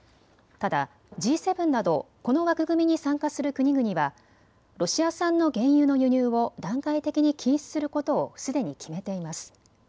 ただＧ７などこの枠組みに参加する国々はロシア産の原油の輸入を段階的に禁止することをすでに決めています。